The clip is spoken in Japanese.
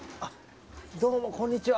どうもこんにちは。